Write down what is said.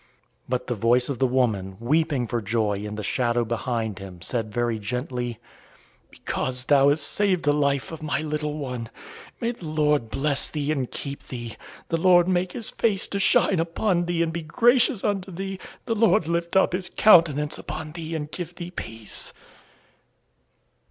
But the voice of the woman, weeping for joy in the shadow behind him, said very gently: "Because thou hast saved the life of my little one, may the Lord bless thee and keep thee; the Lord make His face to shine upon thee and be gracious unto thee; the Lord lift up His countenance upon thee and give thee peace."